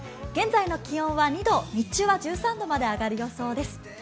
現在の気温は２度日中は１３度まで上がる予想です。